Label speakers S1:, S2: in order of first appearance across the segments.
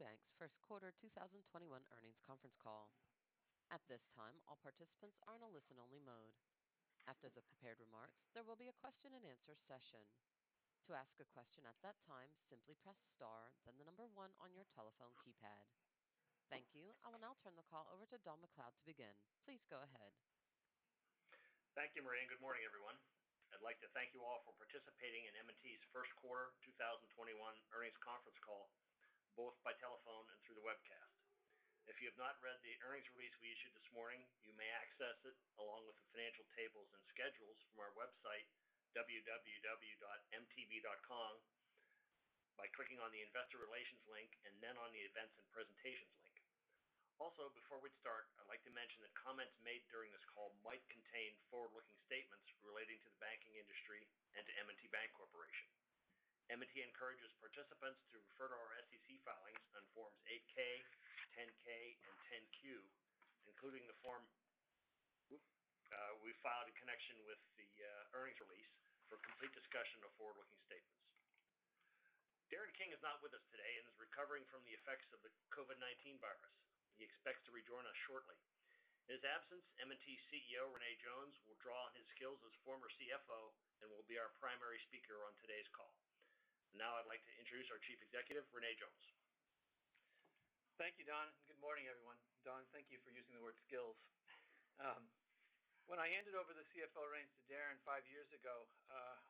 S1: Thank you. I will now turn the call over to Don MacLeod to begin. Please go ahead.
S2: Thank you, Maureen. Good morning, everyone. I'd like to thank you all for participating in M&T's first quarter 2021 earnings conference call, both by telephone and through the webcast. If you have not read the earnings release we issued this morning, you may access it, along with the financial tables and schedules from our website, www.mtb.com, by clicking on the investor relations link and then on the events and presentations link. Also, before we start, I'd like to mention that comments made during this call might contain forward-looking statements relating to the banking industry and to M&T Bank Corporation. M&T encourages participants to refer to our SEC filings on Forms 8-K, 10-K, and 10-Q, including the form we filed in connection with the earnings release for complete discussion of forward-looking statements. Darren King is not with us today and is recovering from the effects of the COVID-19 virus. He expects to rejoin us shortly. In his absence, M&T's CEO, René Jones, will draw on his skills as former CFO and will be our primary speaker on today's call. Now I'd like to introduce our Chief Executive, René Jones.
S3: Thank you, Don. Good morning, everyone. Don, thank you for using the word skills. When I handed over the CFO reins to Darren five years ago,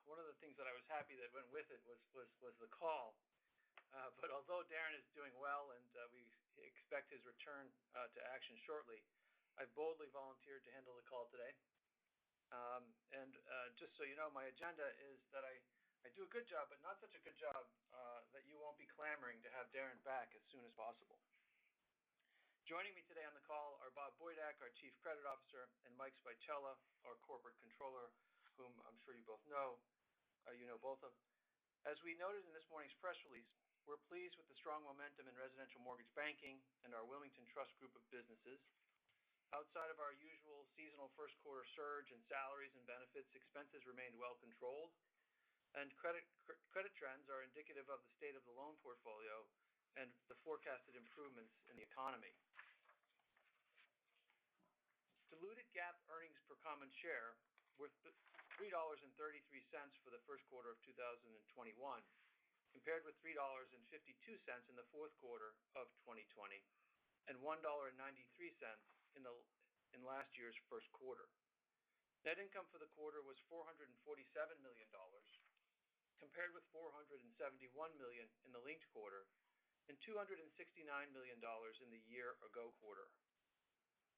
S3: one of the things that I was happy that went with it was the call. Although Darren is doing well and we expect his return to action shortly, I boldly volunteered to handle the call today. Just so you know, my agenda is that I do a good job, but not such a good job that you won't be clamoring to have Darren back as soon as possible. Joining me today on the call are Bob Bojdak, our Chief Credit Officer, and Mike Spychala, our Corporate Controller, whom I'm sure you know both of. As we noted in this morning's press release, we're pleased with the strong momentum in residential mortgage banking and our Wilmington Trust group of businesses. Outside of our usual seasonal first quarter surge in salaries and benefits, expenses remained well controlled, and credit trends are indicative of the state of the loan portfolio and the forecasted improvements in the economy. Diluted GAAP earnings per common share were $3.33 for the first quarter of 2021, compared with $3.52 in the fourth quarter of 2020 and $1.93 in last year's first quarter. Net income for the quarter was $447 million, compared with $471 million in the linked quarter and $269 million in the year-ago quarter.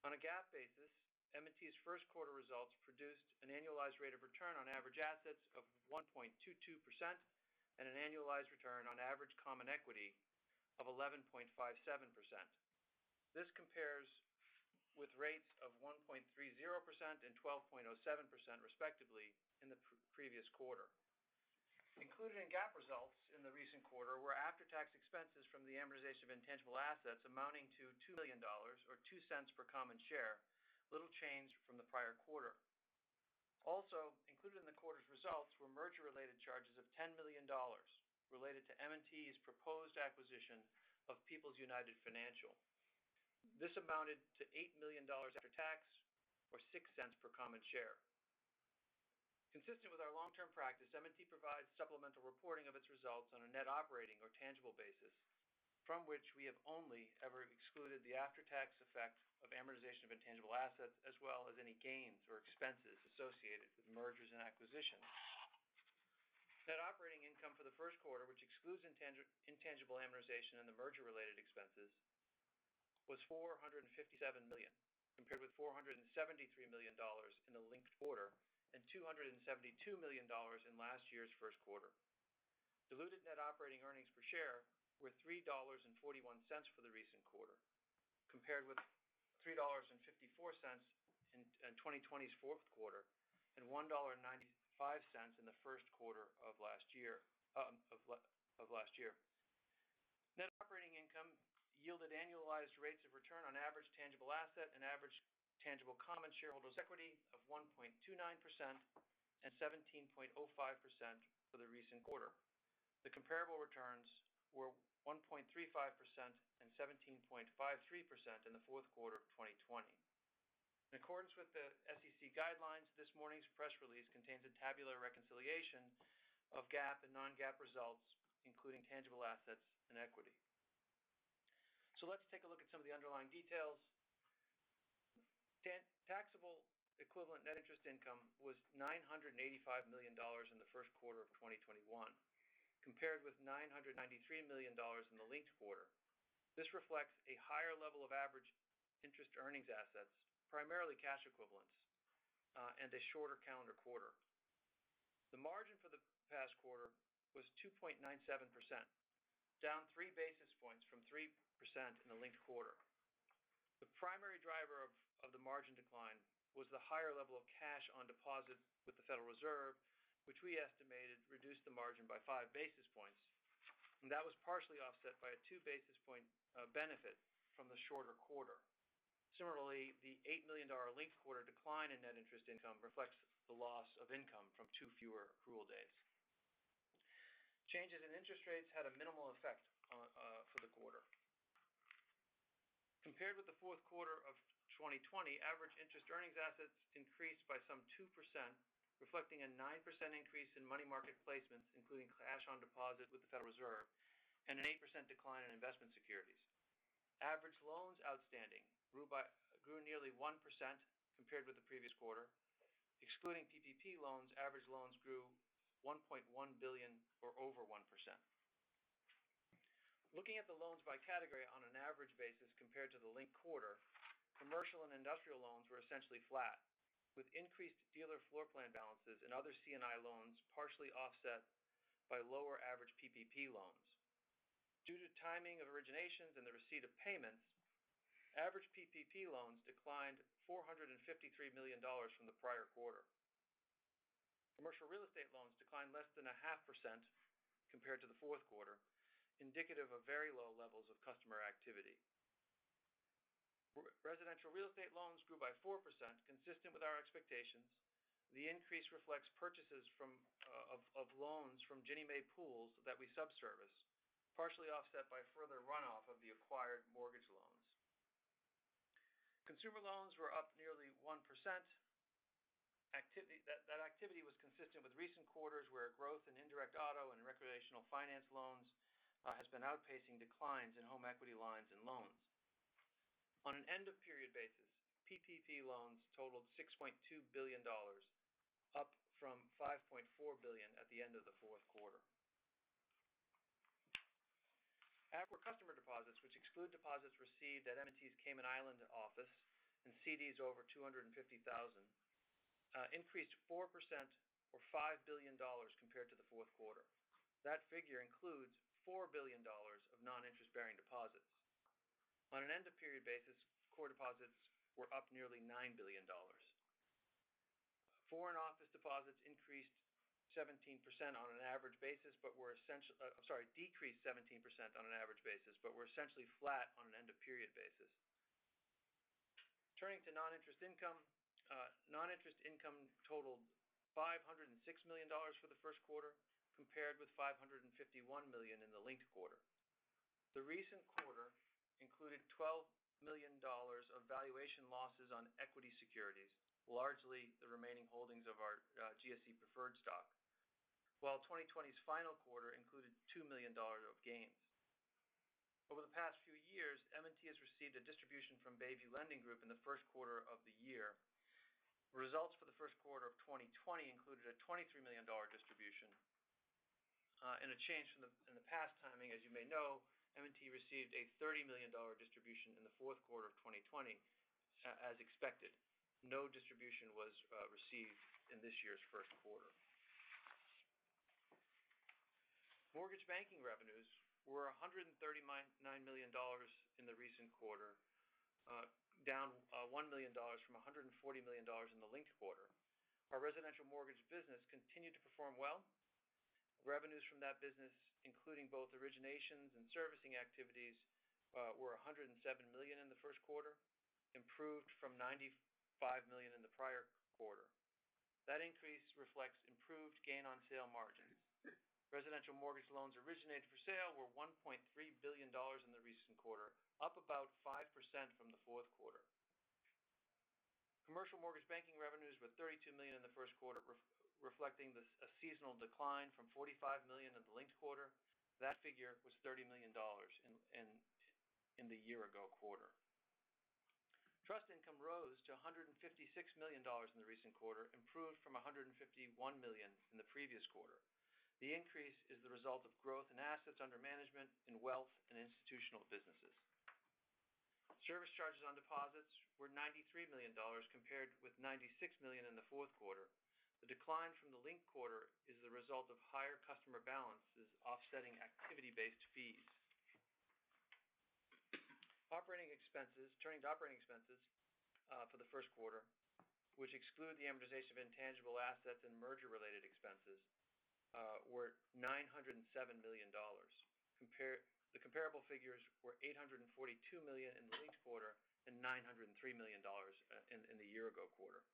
S3: On a GAAP basis, M&T's first quarter results produced an annualized rate of return on average assets of 1.22% and an annualized return on average common equity of 11.57%. This compares with rates of 1.30% and 12.07% respectively in the previous quarter. Included in GAAP results in the recent quarter were after-tax expenses from the amortization of intangible assets amounting to $2 million or $0.02 per common share, little change from the prior quarter. Included in the quarter's results were merger-related charges of $10 million related to M&T's proposed acquisition of People's United Financial. This amounted to $8 million after tax or $0.06 per common share. Consistent with our long-term practice, M&T provides supplemental reporting of its results on a net operating or tangible basis, from which we have only ever excluded the after-tax effect of amortization of intangible assets, as well as any gains or expenses associated with mergers and acquisitions. Net operating income for the first quarter, which excludes intangible amortization and the merger-related expenses, was $457 million, compared with $473 million in the linked quarter and $272 million in last year's first quarter. Diluted net operating earnings per share were $3.41 for the recent quarter, compared with $3.54 in 2020's fourth quarter and $1.95 in the first quarter of last year. Net operating income yielded annualized rates of return on average tangible asset and average tangible common shareholders' equity of 1.29% and 17.05% for the recent quarter. The comparable returns were 1.35% and 17.53% in the fourth quarter of 2020. In accordance with the SEC guidelines, this morning's press release contains a tabular reconciliation of GAAP and non-GAAP results, including tangible assets and equity. Let's take a look at some of the underlying details. Taxable equivalent net interest income was $985 million in the first quarter of 2021, compared with $993 million in the linked quarter. This reflects a higher level of average interest earnings assets, primarily cash equivalents, and a shorter calendar quarter. The margin for the past quarter was 2.97%, down 3 basis points from 3% in the linked quarter. The primary driver of the margin decline was the higher level of cash on deposit with the Federal Reserve, which we estimated reduced the margin by 5 basis points, and that was partially offset by a 2 basis point benefit from the shorter quarter. Similarly, the $8 million linked quarter decline in net interest income reflects the loss of income from two fewer accrual days. Changes in interest rates had a minimal effect for the quarter. Compared with the fourth quarter of 2020, average interest earnings assets increased by some 2%, reflecting a 9% increase in money market placements, including cash on deposit with the Federal Reserve, and an 8% decline in investment securities. Average loans outstanding grew nearly 1% compared with the previous quarter. Excluding PPP loans, average loans grew $1.1 billion or over 1%. Looking at the loans by category on an average basis compared to the linked quarter, commercial and industrial loans were essentially flat, with increased dealer floorplan balances and other C&I loans partially offset by lower average PPP loans. Due to timing of originations and the receipt of payments, average PPP loans declined $453 million from the prior quarter. Commercial real estate loans declined less than a half percent compared to the fourth quarter, indicative of very low levels of customer activity. Residential real estate loans grew by 4%, consistent with our expectations. The increase reflects purchases of loans from Ginnie Mae pools that we sub-service, partially offset by further runoff of the acquired mortgage loans. Consumer loans were up nearly 1%. That activity was consistent with recent quarters where growth in indirect auto and recreational finance loans has been outpacing declines in home equity lines and loans. On an end-of-period basis, PPP loans totaled $6.2 billion, up from $5.4 billion at the end of the fourth quarter. Core customer deposits, which exclude deposits received at M&T's Cayman Islands office and CDs over $250,000, increased 4% or $5 billion compared to the fourth quarter. That figure includes $4 billion of non-interest bearing deposits. On an end-of-period basis, core deposits were up nearly $9 billion. Foreign office deposits decreased 17% on an average basis, but were essentially flat on an end-of-period basis. Turning to non-interest income. Non-interest income totaled $506 million for the first quarter, compared with $551 million in the linked quarter. The recent quarter included $12 million of valuation losses on equity securities, largely the remaining holdings of our GSE preferred stock. While 2020's final quarter included $2 million of gains. Over the past few years, M&T has received a distribution from Bayview Lending Group in the first quarter of the year. Results for the first quarter of 2020 included a $23 million distribution. In a change from the past timing, as you may know, M&T received a $30 million distribution in the fourth quarter of 2020, as expected. No distribution was received in this year's first quarter. Mortgage banking revenues were $139 million in the recent quarter, down $1 million from $140 million in the linked quarter. Our residential mortgage business continued to perform well. Revenues from that business, including both originations and servicing activities, were $107 million in the first quarter, improved from $95 million in the prior quarter. That increase reflects improved gain on sale margins. Residential mortgage loans originated for sale were $1.3 billion in the recent quarter, up about 5% from the fourth quarter. Commercial mortgage banking revenues were $32 million in the first quarter, reflecting a seasonal decline from $45 million in the linked quarter. That figure was $30 million in the year-ago quarter. Trust income rose to $156 million in the recent quarter, improved from $151 million in the previous quarter. The increase is the result of growth in assets under management in wealth and institutional businesses. Service charges on deposits were $93 million, compared with $96 million in the fourth quarter. The decline from the linked quarter is the result of higher customer balances offsetting activity-based fees. Turning to operating expenses for the first quarter, which exclude the amortization of intangible assets and merger-related expenses, were $907 million. The comparable figures were $842 million in the linked quarter and $903 million in the year-ago quarter.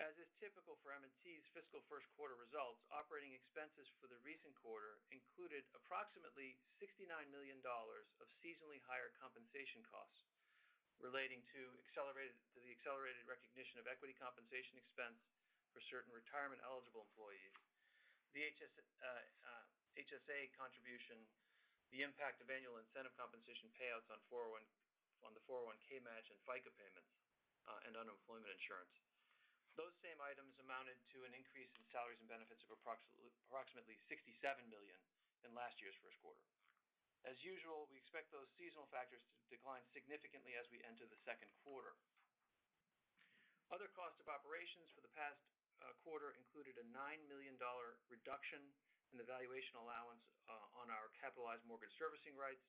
S3: As is typical for M&T's fiscal first quarter results, operating expenses for the recent quarter included approximately $69 million of seasonally higher compensation costs relating to the accelerated recognition of equity compensation expense for certain retirement-eligible employees. The HSA contribution, the impact of annual incentive compensation payouts on the 401(k) match, and FICA payments, and unemployment insurance. Those same items amounted to an increase in salaries and benefits of approximately $67 million in last year's first quarter. As usual, we expect those seasonal factors to decline significantly as we enter the second quarter. Other costs of operations for the past quarter included a $9 million reduction in the valuation allowance on our capitalized mortgage servicing rights.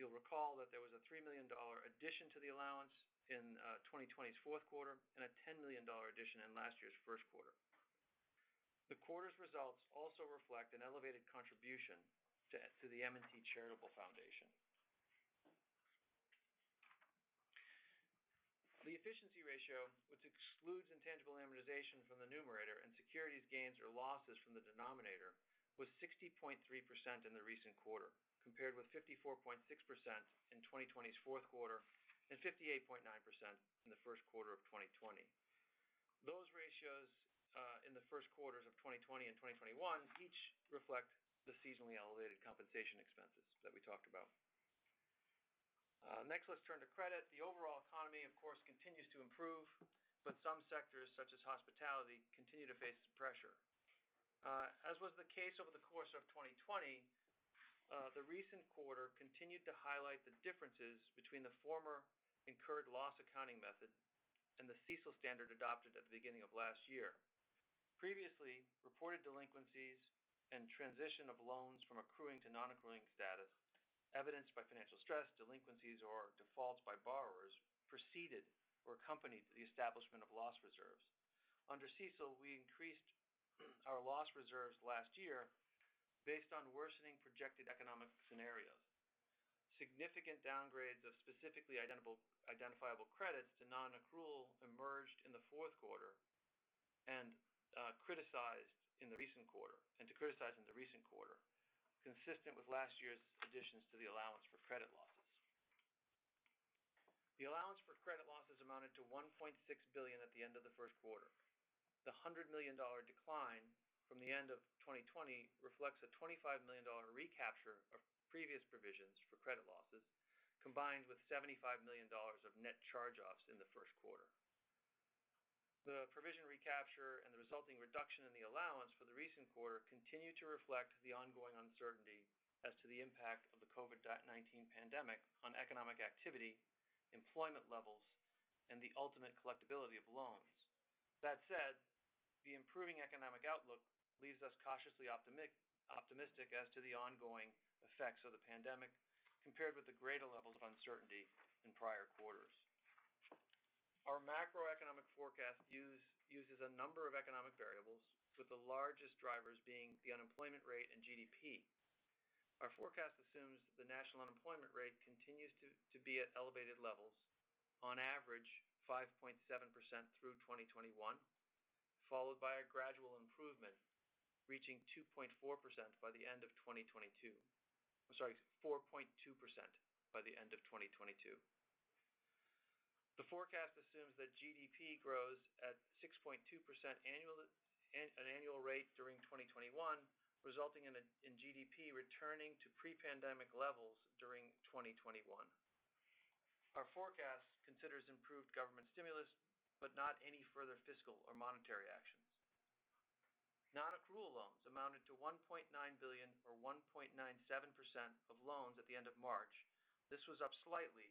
S3: You'll recall that there was a $3 million addition to the allowance in 2020's fourth quarter and a $10 million addition in last year's first quarter. The quarter's results also reflect an elevated contribution to The M&T Charitable Foundation. The efficiency ratio, which excludes intangible amortization from the numerator and securities gains or losses from the denominator, was 60.3% in the recent quarter, compared with 54.6% in 2020's fourth quarter and 58.9% in the first quarter of 2020. Those ratios in the first quarters of 2020 and 2021 each reflect the seasonally elevated compensation expenses that we talked about. Next, let's turn to credit. The overall economy, of course, continues to improve, but some sectors, such as hospitality, continue to face pressure. As was the case over the course of 2020, the recent quarter continued to highlight the differences between the former incurred loss accounting method and the CECL standard adopted at the beginning of last year. Previously reported delinquencies and transition of loans from accruing to non-accruing status, evidenced by financial stress delinquencies or defaults by borrowers, preceded or accompanied the establishment of loss reserves. Under CECL, we increased our loss reserves last year based on worsening projected economic scenarios. Significant downgrades of specifically identifiable credits to non-accrual emerged in the fourth quarter and to criticize in the recent quarter, consistent with last year's additions to the allowance for credit losses. The allowance for credit losses amounted to $1.6 billion at the end of the first quarter. The $100 million decline from the end of 2020 reflects a $25 million recapture of previous provisions for credit losses, combined with $75 million of net charge-offs in the first quarter. The provision recapture and the resulting reduction in the allowance for the recent quarter continue to reflect the ongoing uncertainty as to the impact of the COVID-19 pandemic on economic activity, employment levels, and the ultimate collectibility of loans. That said, the improving economic outlook leaves us cautiously optimistic as to the ongoing effects of the pandemic compared with the greater levels of uncertainty in prior quarters. Our macroeconomic forecast uses a number of economic variables, with the largest drivers being the unemployment rate and GDP. Our forecast assumes the national unemployment rate continues to be at elevated levels, on average 5.7% through 2021, followed by a gradual improvement reaching 2.4% by the end of 2022. I'm sorry, 4.2% by the end of 2022. The forecast assumes that GDP grows at 6.2% an annual rate during 2021, resulting in GDP returning to pre-pandemic levels during 2021. Our forecast considers improved government stimulus, not any further fiscal or monetary actions. Non-accrual loans amounted to $1.9 billion or 1.97% of loans at the end of March. This was up slightly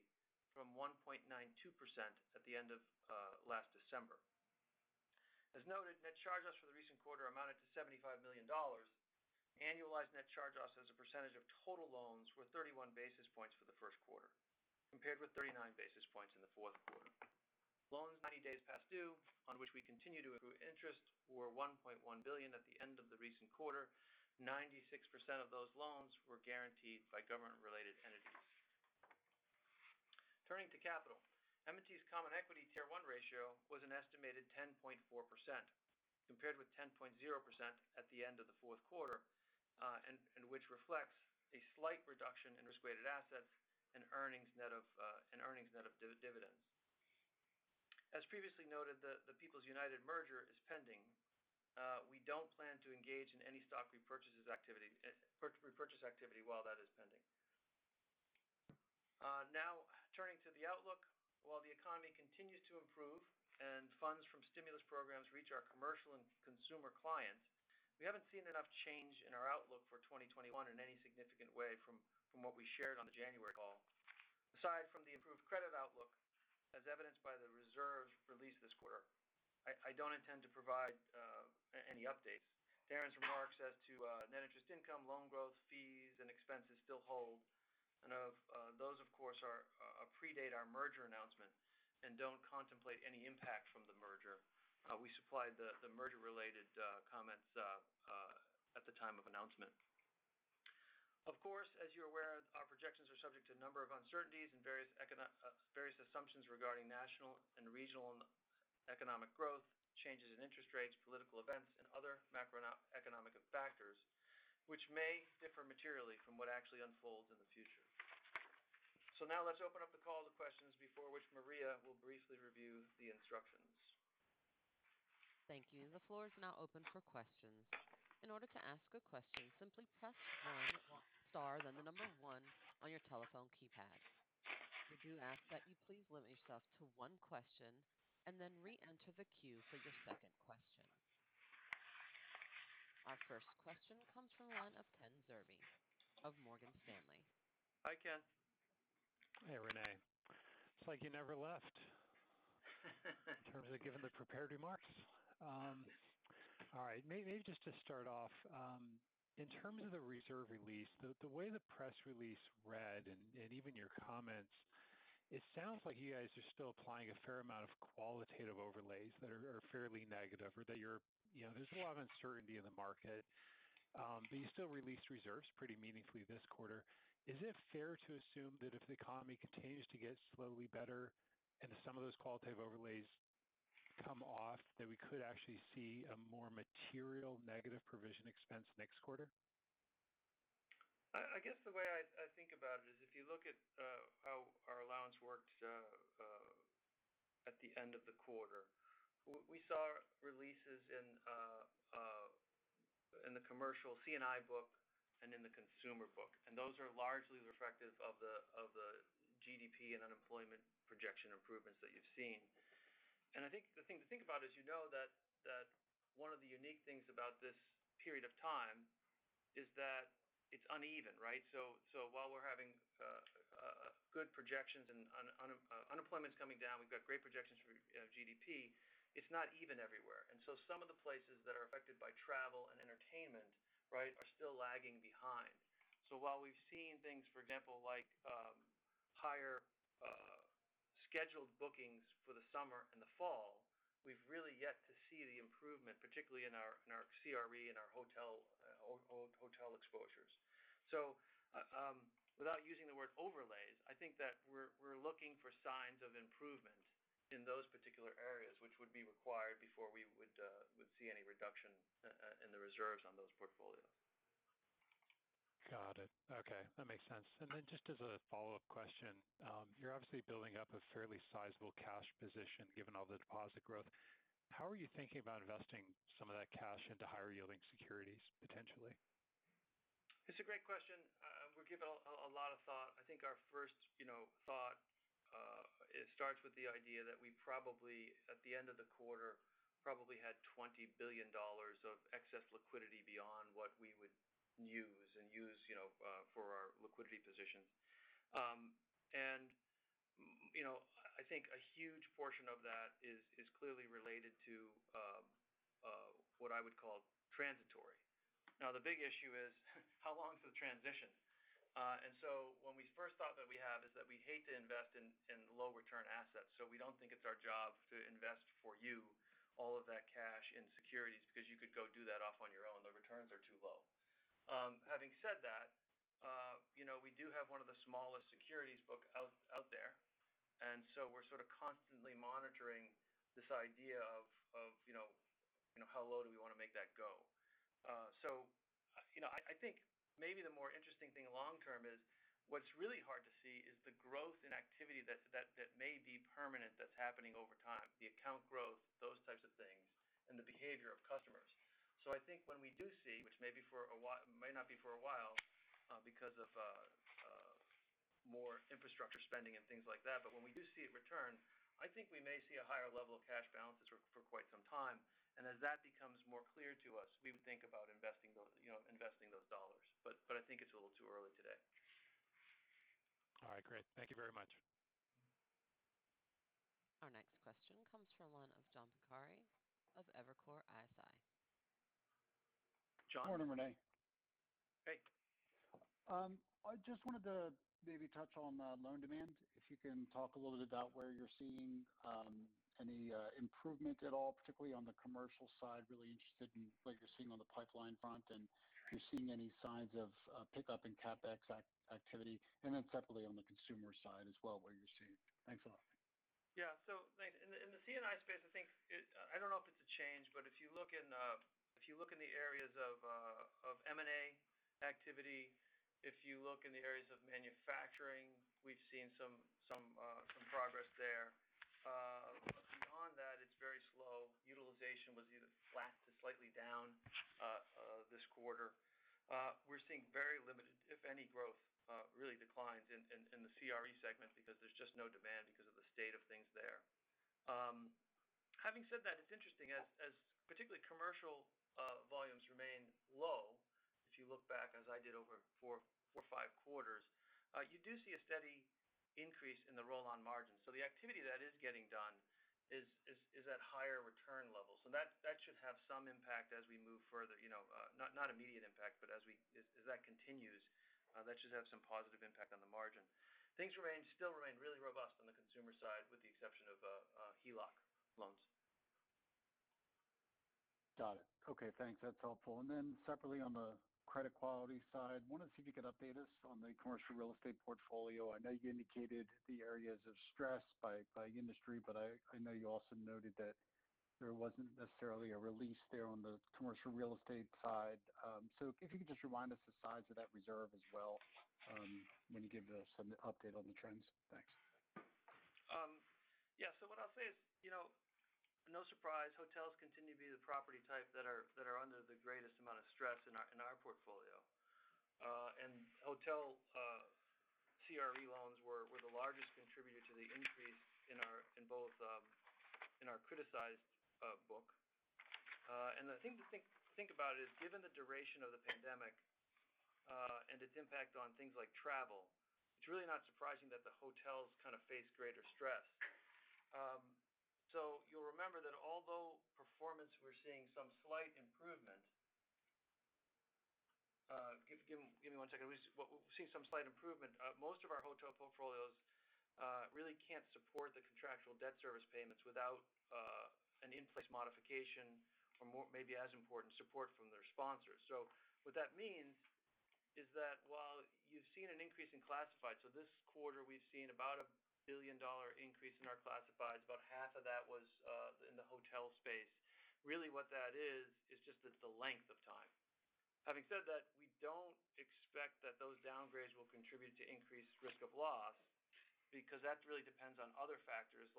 S3: from 1.92% at the end of last December. As noted, net charge-offs for the recent quarter amounted to $75 million. Annualized net charge-offs as a percentage of total loans were 31 basis points for the first quarter, compared with 39 basis points in the fourth quarter. Loans 90 days past due, on which we continue to accrue interest, were $1.1 billion at the end of the recent quarter. 96% of those loans were guaranteed by government-related entities. Turning to capital. M&T's common equity Tier 1 ratio was an estimated 10.4%, compared with 10.0% at the end of the fourth quarter, and which reflects a slight reduction in risk-weighted assets and earnings net of dividends. As previously noted, the People's United merger is pending. We don't plan to engage in any stock repurchase activity while that is pending. Now, turning to the outlook. While the economy continues to improve and funds from stimulus programs reach our commercial and consumer clients, we haven't seen enough change in our outlook for 2021 in any significant way from what we shared on the January call. Aside from the improved credit outlook, as evidenced by the reserve release this quarter, I don't intend to provide any updates. Darren's remarks as to net interest income, loan growth fees, and expenses still hold. Those of course, predate our merger announcement and don't contemplate any impact from the merger. We supplied the merger-related comments at the time of announcement. Of course, as you're aware, our projections are subject to a number of uncertainties and various assumptions regarding national and regional economic growth, changes in interest rates, political events, and other macroeconomic factors, which may differ materially from what actually unfolds in the future. Now let's open up the call to questions before which Maria will briefly review the instructions.
S1: Thank you. The floor is now open for questions. In order to ask a question, simply press star then the number one on your telephone keypad. We do ask that you please limit yourself to one question and then re-enter the queue for your second question. Our first question comes from the line of Ken Zerbe of Morgan Stanley.
S3: H Ken.
S4: Hey, René. It's like you never left, in terms of giving the prepared remarks. All right. Maybe just to start off, in terms of the reserve release, the way the press release read and even your comments. It sounds like you guys are still applying a fair amount of qualitative overlays that are fairly negative, or there's a lot of uncertainty in the market. You still released reserves pretty meaningfully this quarter. Is it fair to assume that if the economy continues to get slowly better and if some of those qualitative overlays come off, that we could actually see a more material negative provision expense next quarter?
S3: I guess the way I think about it is if you look at how our allowance worked at the end of the quarter, we saw releases in the commercial C&I book and in the consumer book. Those are largely reflective of the GDP and unemployment projection improvements that you've seen. I think the thing to think about is you know that one of the unique things about this period of time is that it's uneven, right? While we're having good projections and unemployment's coming down, we've got great projections for GDP. It's not even everywhere. Some of the places that are affected by travel and entertainment are still lagging behind. While we've seen things, for example, like higher scheduled bookings for the summer and the fall, we've really yet to see the improvement, particularly in our CRE and our hotel exposures. Without using the word overlays, I think that we're looking for signs of improvement in those particular areas which would be required before we would see any reduction in the reserves on those portfolios.
S4: Got it. Okay. That makes sense. Just as a follow-up question, you're obviously building up a fairly sizable cash position given all the deposit growth. How are you thinking about investing some of that cash into higher-yielding securities potentially?
S3: It's a great question. We give a lot of thought. I think our first thought starts with the idea that we probably, at the end of the quarter, probably had $20 billion of excess liquidity beyond what we would use for our liquidity position. I think a huge portion of that is clearly related to what I would call transitory. The big issue is how long is the transition? When we first thought that we have is that we hate to invest in low return assets. We don't think it's our job to invest for you all of that cash in securities because you could go do that off on your own. The returns are too low. Having said that we do have one of the smallest securities book out there, we're sort of constantly monitoring this idea of how low do we want to make that go. I think maybe the more interesting thing long term is what's really hard to see is the growth in activity that may be permanent that's happening over time, the account growth, those types of things, and the behavior of customers. I think when we do see, which may not be for a while because of more infrastructure spending and things like that, but when we do see it return, I think we may see a higher level of cash balances for quite some time. As that becomes more clear to us, we would think about investing those dollars. I think it's a little too early today.
S4: All right, great. Thank you very much.
S1: Our next question comes from the line of John Pancari of Evercore ISI
S5: Morning, René
S3: Hey.
S5: I just wanted to maybe touch on loan demand, if you can talk a little bit about where you're seeing any improvement at all, particularly on the commercial side. Really interested in what you're seeing on the pipeline front and if you're seeing any signs of pickup in CapEx activity. Separately on the consumer side as well, what you're seeing. Thanks a lot.
S3: Yeah. Thanks. In the C&I space, I don't know if it's a change, but if you look in the areas of M&A activity, if you look in the areas of manufacturing, we've seen some progress there. Beyond that, it's very slow. Utilization was either flat to slightly down this quarter. We're seeing very limited, if any, growth really declines in the CRE segment because there's just no demand because of the state of things there. Having said that, it's interesting as particularly commercial volumes remain low. If you look back as I did over four or five quarters you do see a steady increase in the roll-on margin. The activity that is getting done is at higher return levels. That should have some impact as we move further. Not immediate impact, as that continues that should have some positive impact on the margin. Things still remain really robust on the consumer side with the exception of HELOC loans.
S5: Got it. Okay, thanks. That's helpful. Separately on the credit quality side, wanted to see if you could update us on the commercial real estate portfolio. I know you indicated the areas of stress by industry, but I know you also noted that there wasn't necessarily a release there on the commercial real estate side. If you could just remind us the size of that reserve as well when you give us an update on the trends. Thanks.
S3: Yeah. What I'll say is no surprise hotels continue to be the property type that are under the greatest amount of stress in our portfolio. Hotel CRE loans were the largest contributor to the increase in our criticized book. The thing to think about is given the duration of the pandemic and its impact on things like travel, it's really not surprising that the hotels kind of face greater stress. We've seen some slight improvement. Most of our hotel portfolios really can't support the contractual debt service payments without an in-place modification or, maybe as important, support from their sponsors. What that means is that while you've seen an increase in classifieds, so this quarter we've seen about a $1 billion increase in our classifieds. About half of that was in the hotel space. Really what that is just it's the length of time. Having said that, we don't expect that those downgrades will contribute to increased risk of loss because that really depends on other factors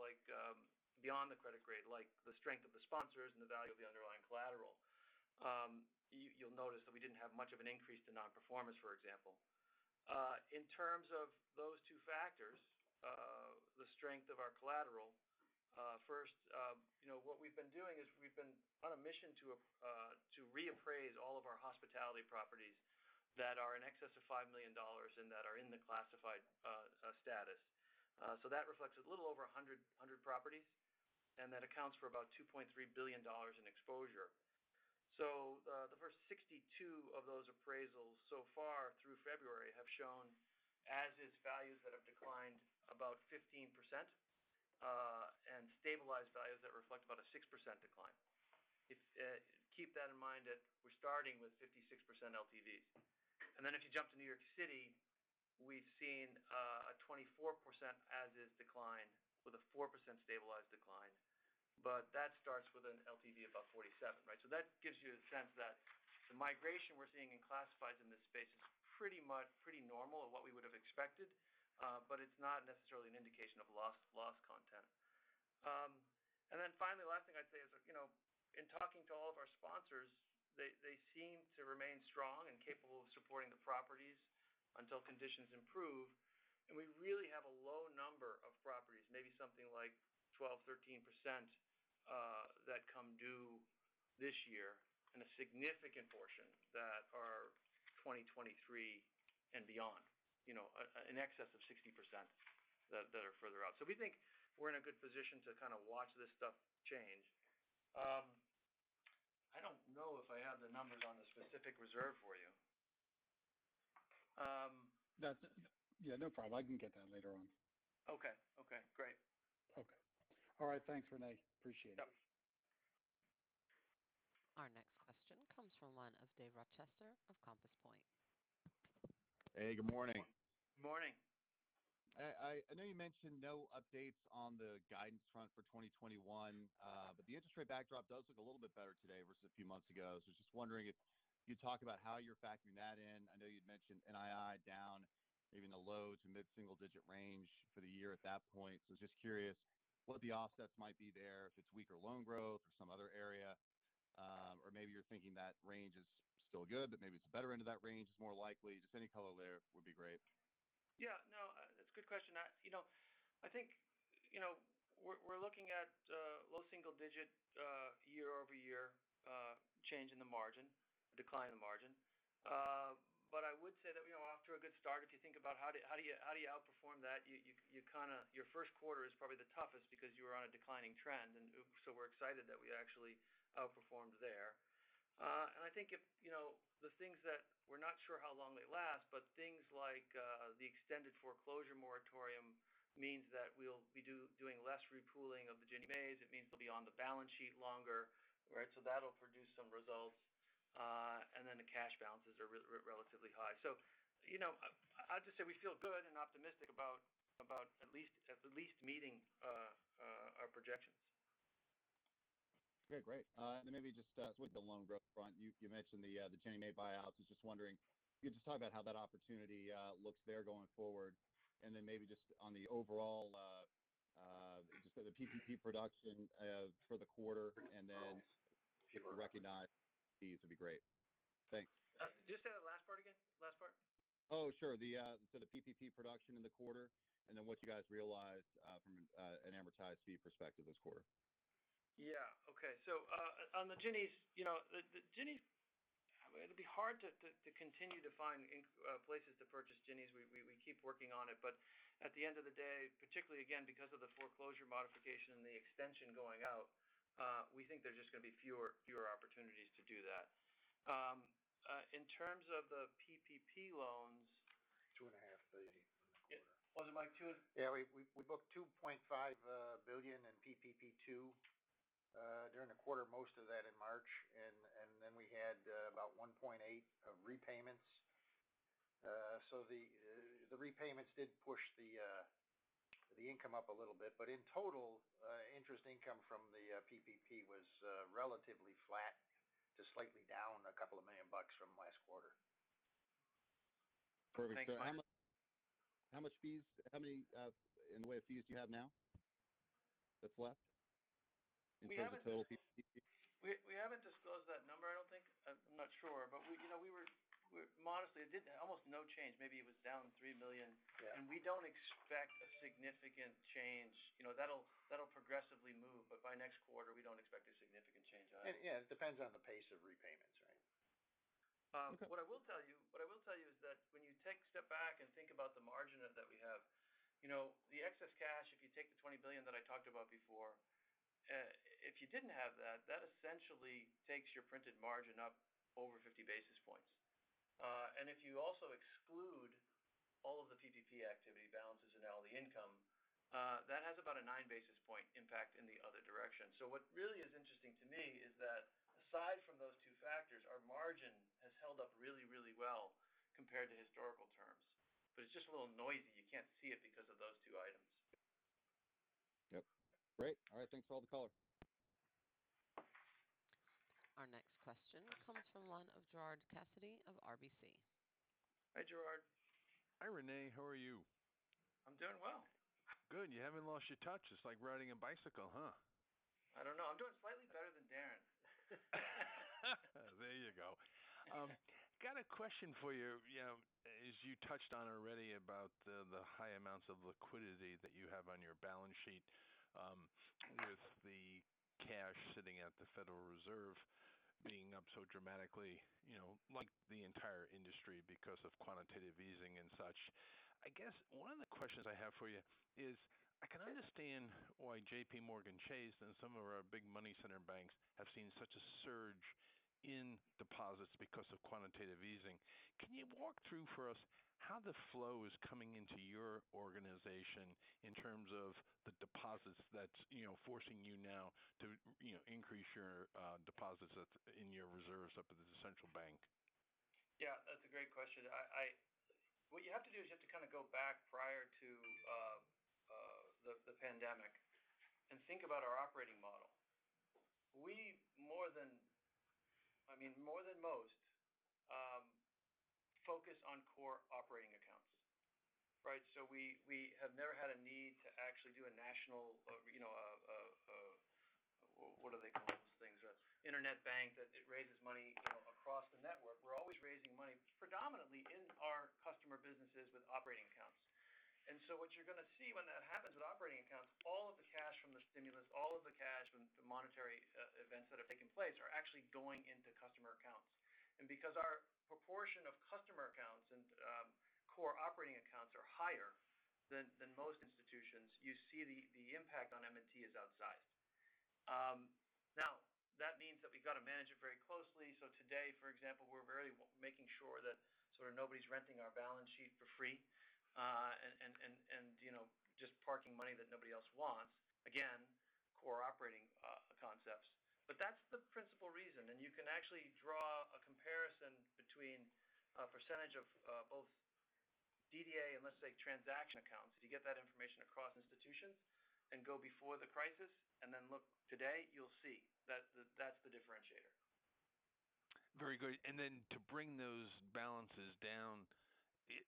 S3: beyond the credit grade, like the strength of the sponsors and the value of the underlying collateral. You'll notice that we didn't have much of an increase to non-performance, for example. In terms of those two factors, the strength of our collateral. First, what we've been doing is we've been on a mission to reappraise all of our hospitality properties that are in excess of $5 million and that are in the classified status. That reflects a little over 100 properties, and that accounts for about $2.3 billion in exposure. The first 62 of those appraisals so far through February have shown as-is values that have declined about 15%, and stabilized values that reflect about a 6% decline. Keep that in mind that we're starting with 56% LTVs. If you jump to New York City, we've seen a 24% as-is decline with a 4% stabilized decline. That starts with an LTV above 47. That gives you a sense that the migration we're seeing in classifieds in this space is pretty normal and what we would've expected. It's not necessarily an indication of loss content. Finally, last thing I'd say is in talking to all of our sponsors, they seem to remain strong and capable of supporting the properties until conditions improve. We really have a low number of properties, maybe something like 12%, 13% that come due this year, and a significant portion that are 2023 and beyond. In excess of 60% that are further out. We think we're in a good position to kind of watch this stuff change. I don't know if I have the numbers on the specific reserve for you.
S5: Yeah, no problem. I can get that later on.
S3: Okay Great.
S5: Okay. All right. Thanks, René. Appreciate it.
S3: Yeah.
S1: Our next question comes from line of Dave Rochester of Compass Point.
S6: Hey, good morning.
S3: Morning.
S6: I know you mentioned no updates on the guidance front for 2021. The interest rate backdrop does look a little bit better today versus a few months ago. I was just wondering if you'd talk about how you're factoring that in. I know you'd mentioned NII down maybe in the low to mid-single digit range for the year at that point. I was just curious what the offsets might be there, if it's weaker loan growth or some other area. Maybe you're thinking that range is still good, but maybe it's better end of that range is more likely. Any color there would be great.
S3: Yeah. No, that's a good question. I think we're looking at low single digit year-over-year change in the margin, decline in the margin. I would say that we're off to a good start. If you think about how do you outperform that? Your first quarter is probably the toughest because you are on a declining trend. We're excited that we actually outperformed there. I think if the things that we're not sure how long they last, but things like the extended foreclosure moratorium means that we'll be doing less re-pooling of the Ginnie Maes. It means they'll be on the balance sheet longer. That'll produce some results. The cash balances are relatively high. I'll just say we feel good and optimistic about at least meeting our projections.
S6: Okay. Great. Maybe just with the loan growth front. You mentioned the Ginnie Mae buyouts. I was just wondering if you could just talk about how that opportunity looks there going forward, and then maybe just on the overall just the PPP production for the quarter.
S3: Okay. Sure.
S6: If you recognize fees would be great. Thanks.
S3: Just say the last part again. Last part.
S6: Sure. The sort of PPP production in the quarter, and then what you guys realized from an amortized fee perspective this quarter.
S3: Yeah. Okay. On the Ginnies, it'll be hard to continue to find places to purchase Ginnies. We keep working on it, but at the end of the day, particularly again because of the foreclosure modification and the extension going out, we think there's just going to be fewer opportunities to do that. In terms of the PPP loans.
S7: $2.5 Billion in the quarter.
S3: What was it, Mike, two?
S7: We booked $2.5 billion in PPP2 during the quarter, most of that in March. We had about $1.8 billion of repayments. The repayments did push the income up a little bit. In total, interest income from the PPP was relatively flat to slightly down a couple of million dollars from last quarter.
S3: Thanks, Mike.
S6: How much fees, how many in the way of fees do you have now that's left in terms of total PPP?
S3: We haven't disclosed that number, I don't think. I'm not sure. We were modestly, almost no change. Maybe it was down $3 million. We don't expect a significant change. That'll progressively move, but by next quarter, we don't expect a significant change on it.
S6: Yeah. It depends on the pace of repayments, right?
S3: The excess cash, if you take the $20 billion that I talked about before, if you didn't have that essentially takes your printed margin up over 50 basis points. If you also exclude all of the PPP activity balances and all the income, that has about a 9-basis point impact in the other direction. What really is interesting to me is that aside from those two factors, our margin has held up really, really well compared to historical terms, but it's just a little noisy. You can't see it because of those two items.
S6: Yep. Great. All right. Thanks for all the color.
S1: Our next question comes from the line of Gerard Cassidy of RBC.
S3: Hi, Gerard.
S8: Hi, René. How are you?
S3: I'm doing well.
S8: Good. You haven't lost your touch. It's like riding a bicycle, huh?
S3: I don't know. I'm doing slightly better than Darren.
S8: There you go. Got a question for you. As you touched on already about the high amounts of liquidity that you have on your balance sheet with the cash sitting at the Federal Reserve being up so dramatically like the entire industry because of quantitative easing and such. I guess one of the questions I have for you is, I can understand why JPMorgan Chase and some of our big money center banks have seen such a surge in deposits because of quantitative easing. Can you walk through for us how the flow is coming into your organization in terms of the deposits that's forcing you now to increase your deposits in your reserves up at the central bank?
S3: Yeah, that's a great question. What you have to do is you have to kind of go back prior to the pandemic and think about our operating model. We more than most focus on core operating accounts. We have never had a need to actually do what do they call those things? An internet bank that raises money across the network. We're always raising money predominantly in our customer businesses with operating accounts. What you're going to see when that happens with operating accounts, all of the cash from the stimulus, all of the cash from the monetary events that have taken place are actually going into customer accounts. Because our proportion of customer accounts and core operating accounts are higher than most institutions, you see the impact on M&T is outsized. Now, that means that we've got to manage it very closely. Today, for example, we're very making sure that sort of nobody's renting our balance sheet for free and just parking money that nobody else wants. Again, core operating concepts. That's the principal reason. You can actually draw a comparison between a percentage of both DDA and let's say transaction accounts. If you get that information across institutions and go before the crisis and then look today, you'll see that's the differentiator.
S8: Very good. Then to bring those balances down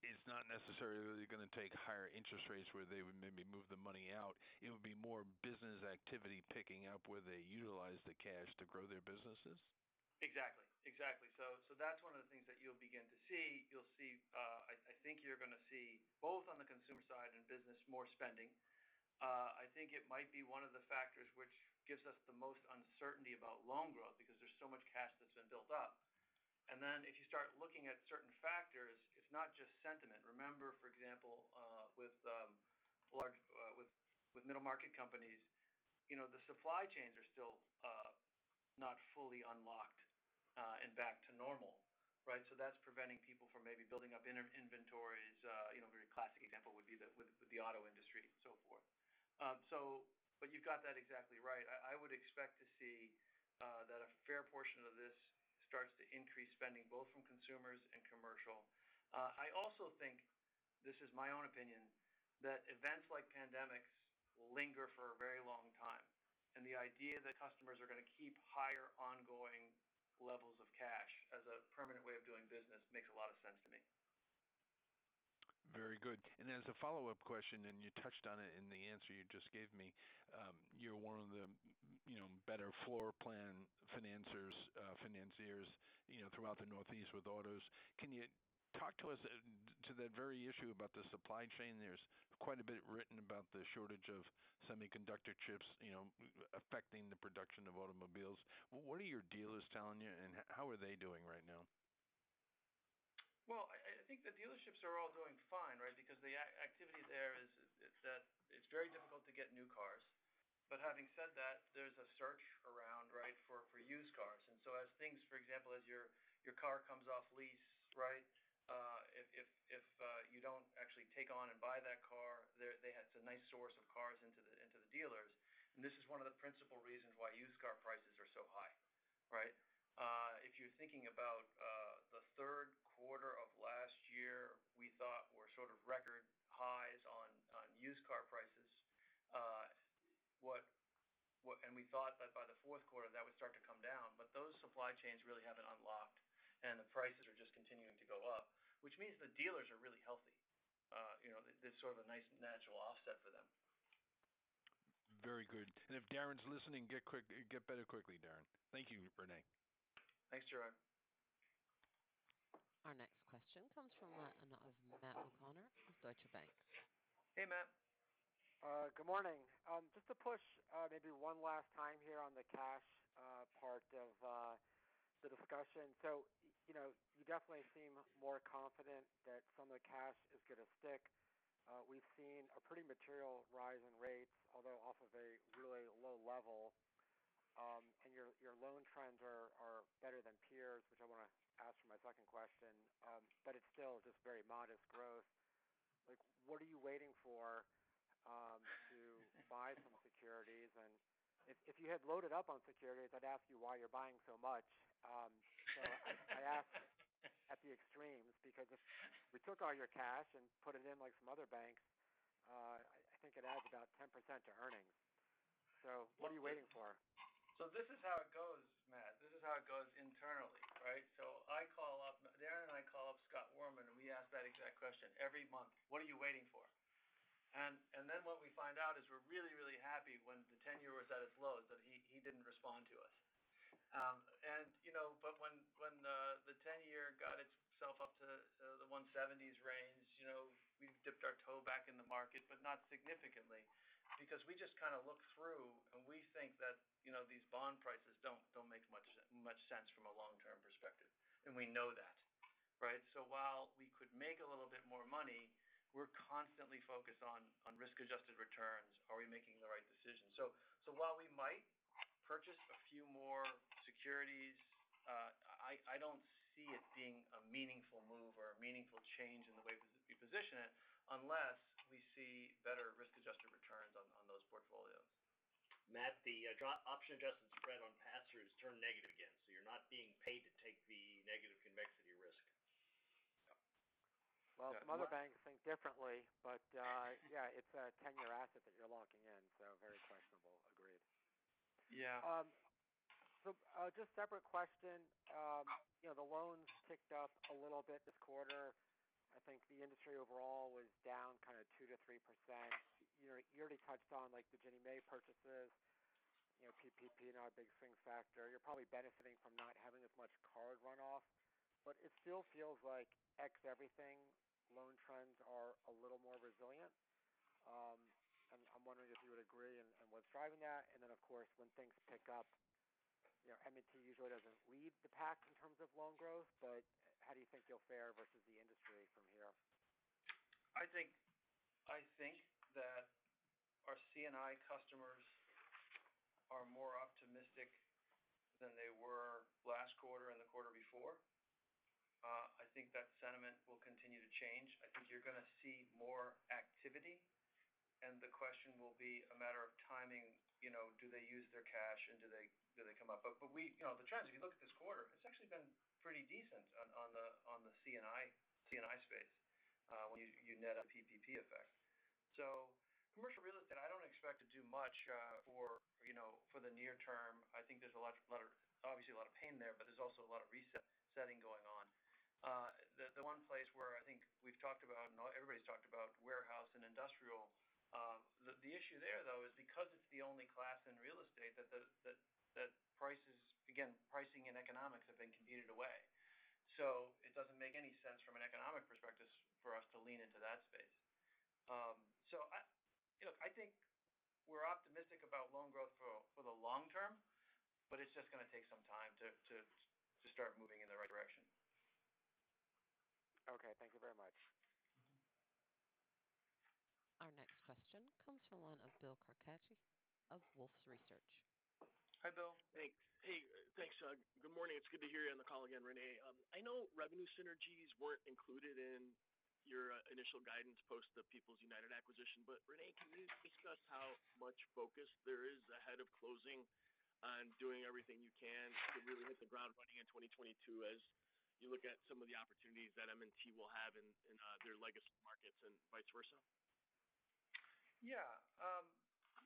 S8: is not necessarily going to take higher interest rates where they would maybe move the money out. It would be more business activity picking up where they utilize the cash to grow their businesses?
S3: Exactly. That's one of the things that you'll begin to see. I think you're going to see both on the consumer side and business more spending. I think it might be one of the factors which gives us the most uncertainty about loan growth because there's so much cash that's been built up. If you start looking at certain factors, it's not just sentiment. Remember, for example, with middle market companies, the supply chains are still not fully unlocked and back to normal. That's preventing people from maybe building up inventories. A very classic example would be with the auto industry and so forth. You've got that exactly right. I would expect to see that a fair portion of this starts to increase spending both from consumers and commercial. I also think, this is my own opinion, that events like pandemics will linger for a very long time. The idea that customers are going to keep higher ongoing levels of cash as a permanent way of doing business makes a lot of sense to me.
S8: Very good. As a follow-up question, and you touched on it in the answer you just gave me. You're one of the better floor plan financiers throughout the Northeast with autos. Can you talk to us to that very issue about the supply chain? There's quite a bit written about the shortage of semiconductor chips affecting the production of automobiles. What are your dealers telling you, and how are they doing right now?
S3: Well, I think the dealerships are all doing fine because the activity there is that it's very difficult to get new cars. Having said that, there's a search around for used cars. As things, for example, as your car comes off lease if you don't actually take on and buy that car, that's a nice source of cars into the dealers. This is one of the principal reasons why used car prices are so high. If you're thinking about the third quarter of last year, we thought were sort of record highs on used car prices. We thought that by the fourth quarter, that would start to come down. Those supply chains really haven't unlocked and the prices are just continuing to go up, which means the dealers are really healthy. There's sort of a nice natural offset for them.
S8: Very good. If Darren's listening, get better quickly, Darren. Thank you, René.
S3: Thanks, Gerard.
S1: Our next question comes from the line of Matt O'Connor from Deutsche Bank.
S3: Hey, Matt.
S9: Good morning. Just to push maybe one last time here on the cash part of the discussion. You definitely seem more confident that some of the cash is going to stick. We've seen a pretty material rise in rates, although off of a really low level. Your loan trends are better than peers, which I want to ask for my second question. It's still just very modest growth. What are you waiting for to buy some securities? If you had loaded up on securities, I'd ask you why you're buying so much. I ask at the extremes, because if we took all your cash and put it in like some other banks, I think it adds about 10% to earnings. What are you waiting for?
S3: This is how it goes, Matt. This is how it goes internally, right? Darren and I call up Scott Warman, and we ask that exact question every month. What are you waiting for? What we find out is we're really, really happy when the 10-year was at its lows that he didn't respond to us. When the 10-year got itself up to the 170s range, we've dipped our toe back in the market, but not significantly because we just kind of look through and we think that these bond prices don't make much sense from a long-term perspective. We know that, right? While we could make a little bit more money, we're constantly focused on risk-adjusted returns. Are we making the right decision? While we might purchase a few more securities, I don't see it being a meaningful move or a meaningful change in the way we position it unless we see better risk-adjusted returns on those portfolios.
S2: Matt, the option-adjusted spread on pass-throughs turned negative again. You're not being paid to take the negative convexity risk.
S9: Well, some other banks think differently, but yeah, it's a 10-year asset that you're locking in. Very questionable. Agreed.
S3: Yeah.
S9: Just separate question. The loans ticked up a little bit this quarter. I think the industry overall was down kind of 2%-3%. You already touched on the Ginnie Mae purchases. PPP not a big swing factor. You're probably benefiting from not having as much card runoff, but it still feels like ex-everything loan trends are a little more resilient. I'm wondering if you would agree and what's driving that. Then, of course, when things pick up, M&T usually doesn't lead the pack in terms of loan growth. How do you think you'll fare versus the industry from here?
S3: I think that our C&I customers are more optimistic than they were last quarter and the quarter before. I think that sentiment will continue to change. I think you're going to see more activity, and the question will be a matter of timing. Do they use their cash and do they come up? The trends, if you look at this quarter, it's actually been pretty decent on the C&I space when you net out the PPP effect. Commercial real estate, I don't expect to do much for the near term. I think there's obviously a lot of pain there, but there's also a lot of resetting going on. The one place where I think we've talked about, and everybody's talked about warehouse and industrial. The issue there, though, is because it's the only class in real estate that prices, again, pricing and economics have been competed away. It doesn't make any sense from an economic perspective for us to lean into that space. I think we're optimistic about loan growth for the long term, but it's just going to take some time to start moving in the right direction.
S9: Okay. Thank you very much.
S1: Our next question comes from the line of Bill Carcache of Wolfe Research.
S3: Hi, Bill.
S10: Hey, thanks, Don. Good morning. It's good to hear you on the call again, René. I know revenue synergies weren't included in your initial guidance post the People's United acquisition. René, can you discuss how much focus there is ahead of closing on doing everything you can to really hit the ground running in 2022 as you look at some of the opportunities that M&T will have in their legacy markets and vice versa?
S3: Yeah.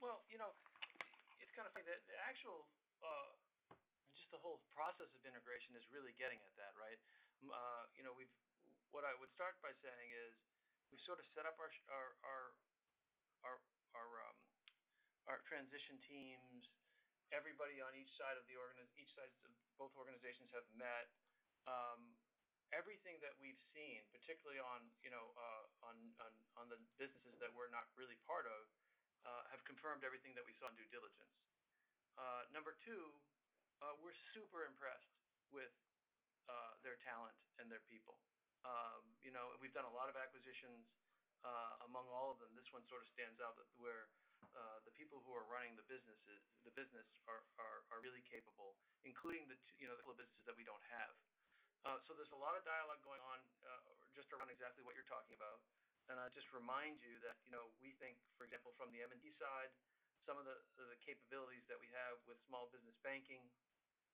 S3: Well, it's the kind of thing that the actual whole process of integration is really getting at that, right? What I would start by saying is we sort of set up our transition teams. Everybody on each side of both organizations have met. Everything that we've seen, particularly on the businesses that we're not really part of have confirmed everything that we saw in due diligence. Number two, we're super impressed with their talent and their people. We've done a lot of acquisitions. Among all of them, this one sort of stands out where the people who are running the business are really capable, including the businesses that we don't have. There's a lot of dialogue going on just around exactly what you're talking about. I'll just remind you that we think, for example, from the M&T side, some of the capabilities that we have with small business banking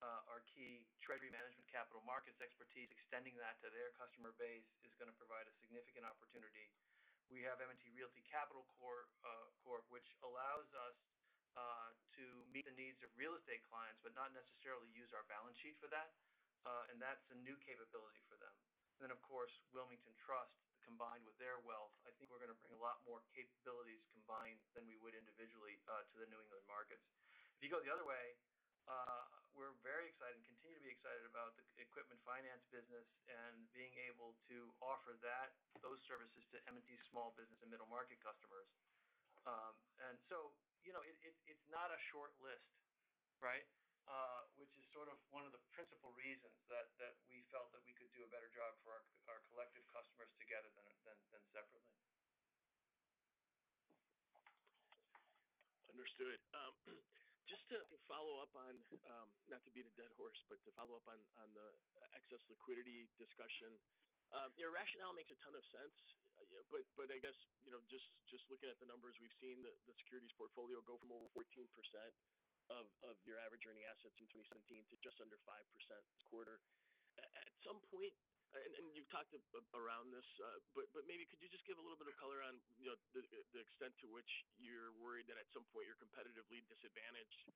S3: are key. Treasury management capital markets expertise, extending that to their customer base is going to provide a significant opportunity. We have M&T Realty Capital Corporation, which allows us to meet the needs of real estate clients, but not necessarily use our balance sheet for that. That's a new capability for them. Of course, Wilmington Trust combined with their wealth, I think we're going to bring a lot more capabilities combined than we would individual to the New England markets. If you go the other way, we're very excited and continue to be excited about the equipment finance business and being able to offer those services to M&T small business and middle-market customers. It's not a short list, which is one of the principal reasons that we felt that we could do a better job for our collective customers together than separately.
S10: Understood. To follow up on, not to beat a dead horse, to follow up on the excess liquidity discussion. Your rationale makes a ton of sense. I guess, just looking at the numbers we've seen, the securities portfolio go from over 14% of your average earning assets in 2017 to just under 5% this quarter. At some point, you've talked around this, maybe could you just give a little bit of color on the extent to which you're worried that at some point you're competitively disadvantaged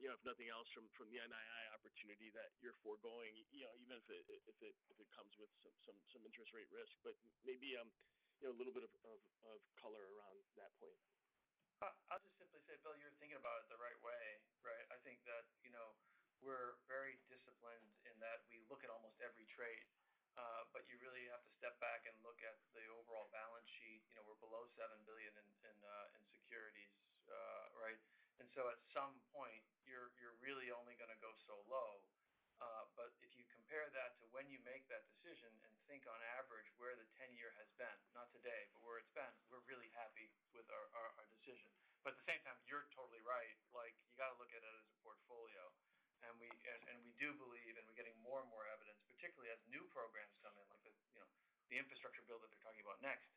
S10: if nothing else from the NII opportunity that you're foregoing, even if it comes with some interest rate risk. Maybe a little bit of color around that point.
S3: I'll just simply say, Bill, you're thinking about it the right way. I think that we're very disciplined in that we look at almost every trade. You really have to step back and look at the overall balance sheet. We're below $7 billion in securities. At some point you're really only going to go so low. If you compare that to when you make that decision and think on average where the 10-year has been, not today, but where it's been, we're really happy with our decision. At the same time, you're totally right. You got to look at it as a portfolio. We do believe, and we're getting more and more evidence, particularly as new programs come in, like the infrastructure bill that they're talking about next.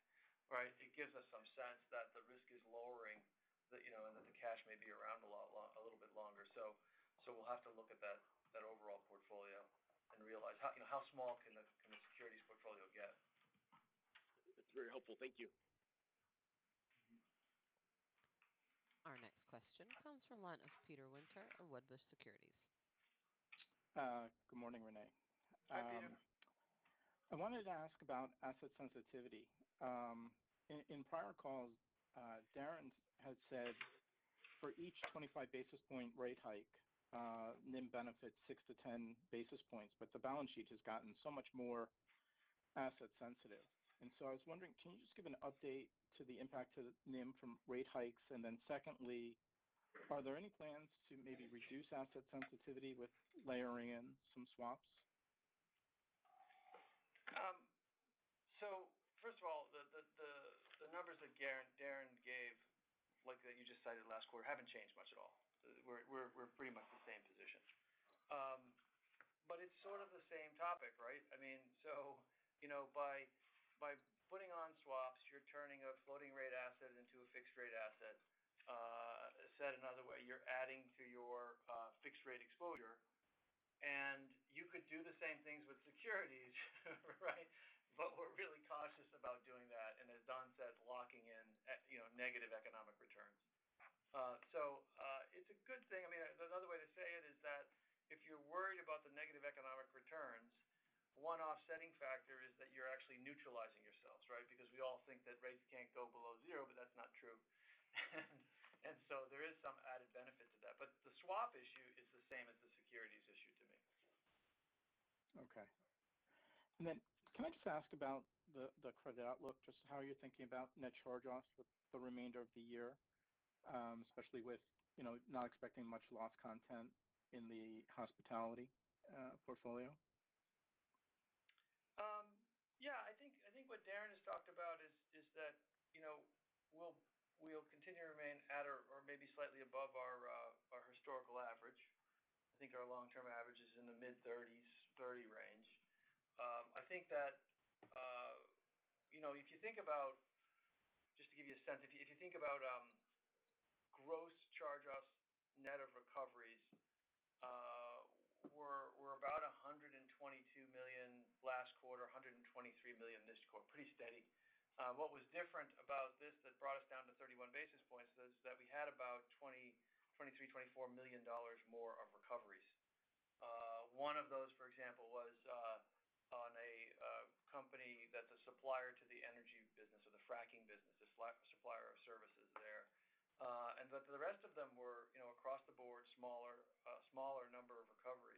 S3: It gives us some sense that the risk is lowering and that the cash may be around a little bit longer. We'll have to look at that overall portfolio and realize how small can the securities portfolio get.
S10: That's very helpful. Thank you.
S1: Our next question comes from the line of Peter Winter of Wedbush Securities.
S11: Good morning, René.
S3: Hi, Peter.
S11: I wanted to ask about asset sensitivity. In prior calls, Darren had said for each 25 basis point rate hike, NIM benefits 6-10 basis points, the balance sheet has gotten so much more asset sensitive. I was wondering, can you just give an update to the impact to NIM from rate hikes, secondly, are there any plans to maybe reduce asset sensitivity with layering in some swaps?
S3: First of all, the numbers that Darren gave, like you just cited last quarter, haven't changed much at all. We're pretty much the same position. It's sort of the same topic, right? By putting on swaps, you're turning a floating rate asset into a fixed rate asset. Said another way, you're adding to your fixed rate exposure, and you could do the same things with securities, right? We're really cautious about doing that, and as Don says, locking in negative economic returns. It's a good thing. Another way to say it is that if you're worried about the negative economic returns, one offsetting factor is that you're actually neutralizing yourselves, right? Because we all think that rates can't go below zero, but that's not true. There is some added benefit to that. The swap issue is the same as the securities issue to me.
S11: Okay. Can I just ask about the credit outlook, just how you're thinking about net charge-offs for the remainder of the year, especially with not expecting much loss content in the hospitality portfolio?
S3: Yeah. I think what Darren has talked about is that we'll continue to remain at or maybe slightly above our historical average. I think our long-term average is in the mid-30s, 30 range. Just to give you a sense, if you think about gross charge-offs net of recoveries we're about $122 million last quarter, $123 million this quarter. Pretty steady. What was different about this that brought us down to 31 basis points is that we had about $23 million-$24 million more of recoveries. One of those, for example, was on a company that's a supplier to the energy business or the fracking business, a supplier of services there. The rest of them were across the board smaller number of recoveries.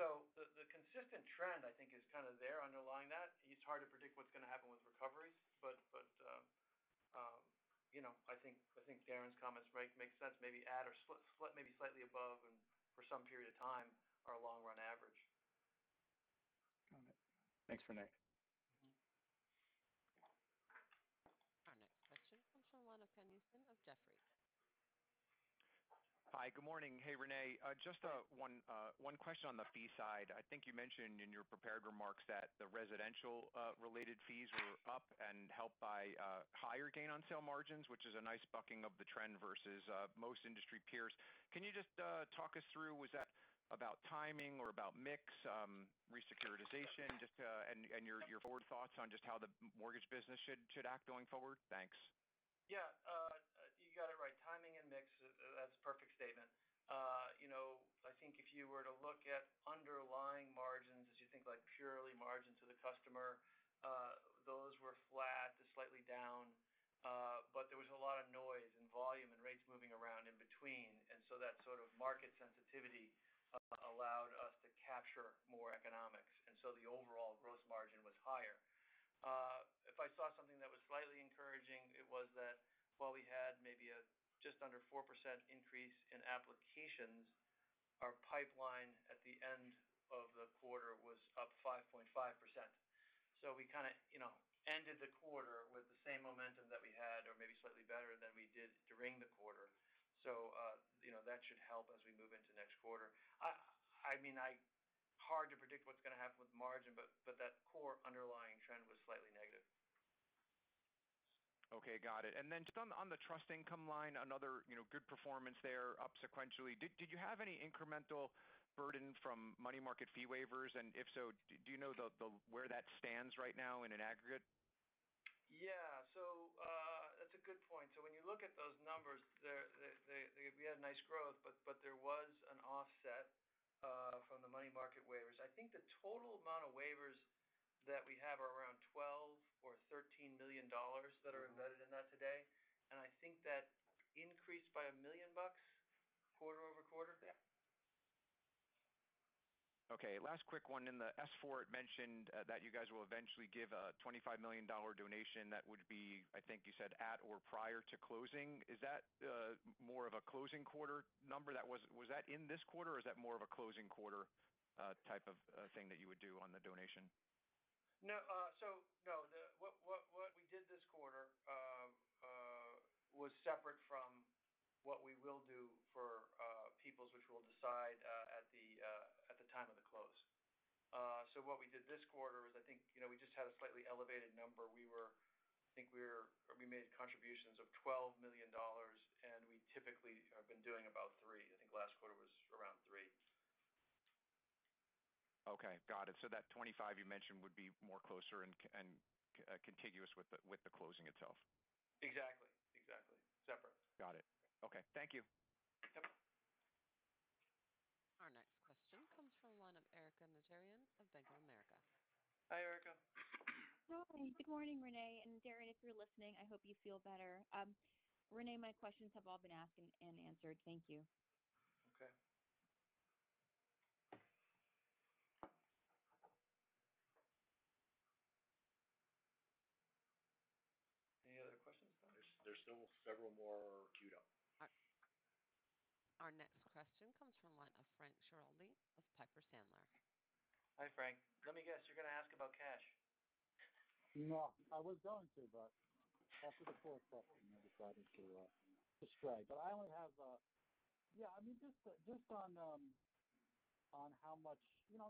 S3: The consistent trend I think is kind of there underlying that. It's hard to predict what's going to happen with recoveries, but I think Darren's comments make sense. Maybe at or maybe slightly above for some period of time our long-run average.
S11: Got it. Thanks, René.
S1: Our next question comes from the line of Ken Usdin of Jefferies.
S12: Hi, good morning. Hey, René. Just one question on the fee side. I think you mentioned in your prepared remarks that the residential related fees were up and helped by a higher gain on sale margins, which is a nice bucking of the trend versus most industry peers. Can you just talk us through, was that about timing or about mix, re-securitization, and your forward thoughts on just how the mortgage business should act going forward? Thanks.
S3: Yeah. You got it right. Timing and mix, that's perfect. If you were to look at underlying margins as you think like purely margin to the customer, those were flat to slightly down. There was a lot of noise and volume and rates moving around in between. That sort of market sensitivity allowed us to capture more economics. The overall gross margin was higher. If I saw something that was slightly encouraging, it was that while we had maybe a just under 4% increase in applications, our pipeline at the end of the quarter was up 5.5%. We kind of ended the quarter with the same momentum that we had or maybe slightly better than we did during the quarter. That should help as we move into next quarter. Hard to predict what's going to happen with margin, but that core underlying trend was slightly negative.
S12: Okay. Got it. Just on the trust income line, another good performance there up sequentially. Did you have any incremental burden from money market fee waivers? If so, do you know where that stands right now in an aggregate?
S3: Yeah. That's a good point. When you look at those numbers there, we had nice growth, but there was an offset from the money market waivers. I think the total amount of waivers that we have are around $12 or $13 million that are embedded in that today. I think that increased by $1 million quarter-over-quarter. Yeah.
S12: Okay. Last quick one. In the S-4, it mentioned that you guys will eventually give a $25 million donation. That would be, I think you said at or prior to closing. Is that more of a closing quarter number? Was that in this quarter or is that more of a closing quarter type of thing that you would do on the donation?
S3: What we did this quarter was separate from what we will do for People's which we'll decide at the time of the close. What we did this quarter is, I think, we just had a slightly elevated number. I think we made contributions of $12 million, and we typically have been doing about $3 million. I think last quarter was around $3 million.
S12: Okay. Got it. That 25 you mentioned would be more closer and contiguous with the closing itself.
S3: Exactly. Separate.
S12: Got it. Okay. Thank you.
S3: Yep.
S1: Our next question comes from the line of Erika Najarian of Bank of America.
S3: Hi, Erika.
S13: Hi. Good morning, René. Darren, if you're listening, I hope you feel better. René, my questions have all been asked and answered. Thank you.
S3: Okay. Any other questions?
S7: There's still several more queued up.
S1: Our next question comes from the line of Frank Schiraldi of Piper Sandler.
S3: Hi, Frank. Let me guess, you're going to ask about cash.
S14: No. I was going to, after the first question, I decided to stray. I'm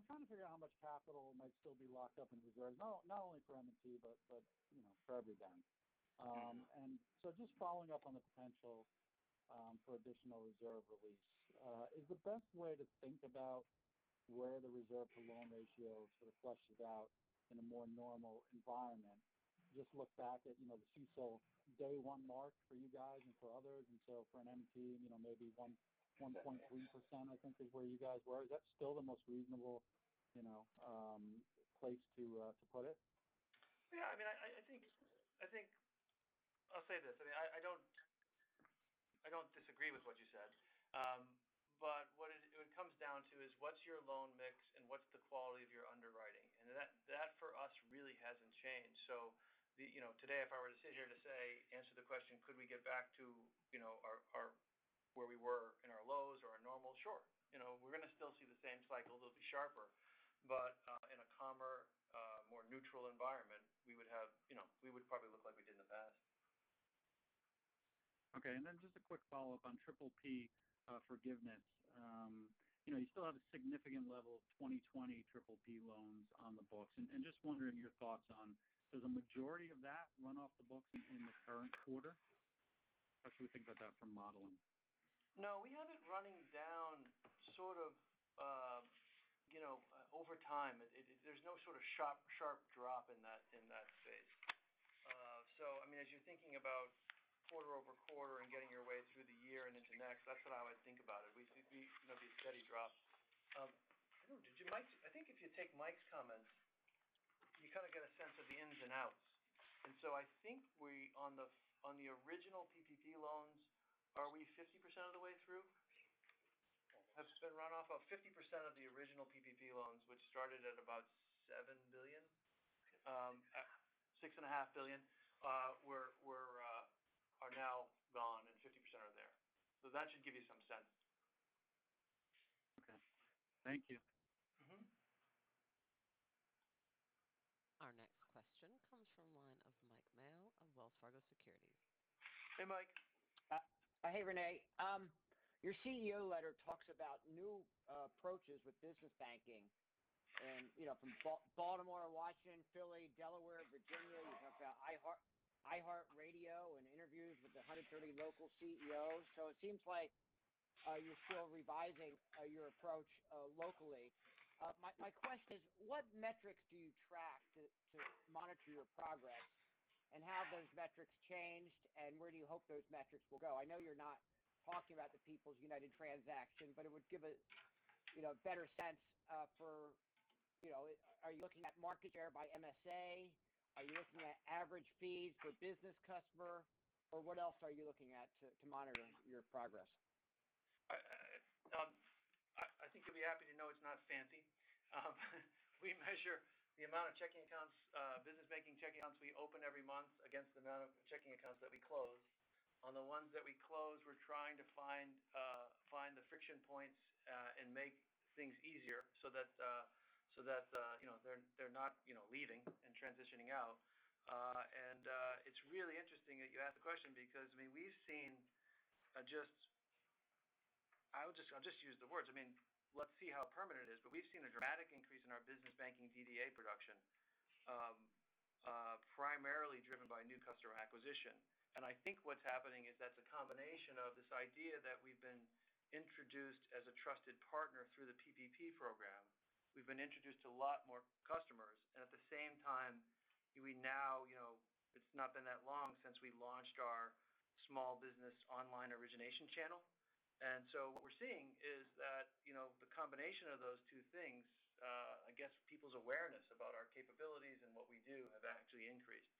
S14: trying to figure out how much capital might still be locked up in reserves, not only for M&T but for every bank.
S3: Okay.
S14: Just following up on the potential for additional reserve release. Is the best way to think about where the reserve to loan ratio sort of flushes out in a more normal environment, just look back at the CECL day one mark for you guys and for others, and so for an M&T maybe 1.3% I think is where you guys were? Is that still the most reasonable place to put it?
S3: I'll say this. I don't disagree with what you said. What it comes down to is what's your loan mix and what's the quality of your underwriting? That for us really hasn't changed. Today, if I were to sit here to say, answer the question, could we get back to where we were in our lows or our normal? Sure. We're going to still see the same cycle, they'll be sharper. In a calmer, more neutral environment, we would probably look like we did in the past.
S14: Okay. Just a quick follow-up on PPP forgiveness. You still have a significant level of 2020 PPP loans on the books. Just wondering your thoughts on, does the majority of that run off the books in the current quarter? How should we think about that for modeling?
S3: No, we have it running down sort of over time. There's no sort of sharp drop in that phase. As you're thinking about quarter-over-quarter and getting your way through the year and into next, that's what I would think about it. We, the steady drop. I think if you take Mike's comments, you kind of get a sense of the ins and outs. I think on the original PPP loans, are we 50% of the way through? Must've been run off of 50% of the original PPP loans, which started at about $7 billion. $6.5 billion are now gone. 50% are there. That should give you some sense.
S14: Okay. Thank you.
S1: Our next question comes from the line of Mike Mayo of Wells Fargo Securities.
S3: Hey, Mike.
S15: Hey, René. Your CEO letter talks about new approaches with business banking from Baltimore, Washington, Philly, Delaware, Virginia. You have the iHeartRadio and interviews with the 130 local CEOs. It seems like you're still revising your approach. My question is, what metrics do you track to monitor your progress, and have those metrics changed, and where do you hope those metrics will go? I know you're not talking about the People's United transaction, it would give a better sense. Are you looking at market share by MSA? Are you looking at average fees per business customer? What else are you looking at to monitor your progress?
S3: I think you'll be happy to know it's not fancy. We measure the amount of business banking checking accounts we open every month against the amount of checking accounts that we close. On the ones that we close, we're trying to find the friction points and make things easier so that they're not leaving and transitioning out. It's really interesting that you ask the question because just I'll just use the words. Let's see how permanent it is. We've seen a dramatic increase in our business banking DDA production. Primarily driven by new customer acquisition. I think what's happening is that's a combination of this idea that we've been introduced as a trusted partner through the PPP program. We've been introduced to a lot more customers. At the same time, it's not been that long since we launched our small business online origination channel. What we're seeing is that the combination of those two things, I guess people's awareness about our capabilities and what we do have actually increased.